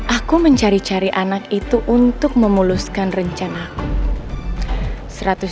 aku mencari cari anak itu untuk memuluskan rencana aku